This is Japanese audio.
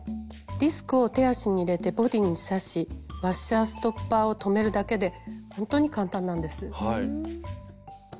ディスクを手足に入れてボディーに差しワッシャーストッパーを留めるだけでほんとに簡単なんです。